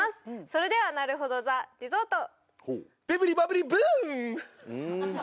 それではなるほど・ザ・リゾートエブリバブリブー！